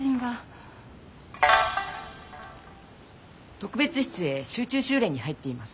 特別室へ集中修練に入っています。